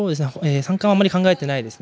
三冠はあんまり考えてないですね。